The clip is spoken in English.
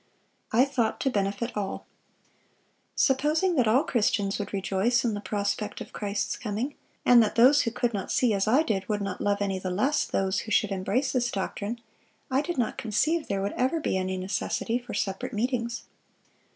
I thought to benefit all. Supposing that all Christians would rejoice in the prospect of Christ's coming, and that those who could not see as I did would not love any the less those who should embrace this doctrine, I did not conceive there would ever be any necessity for separate meetings.